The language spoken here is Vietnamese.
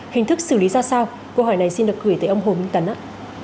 hình thức xử lý ra sao câu hỏi này xin được gửi tới ông hồ minh tấn ạ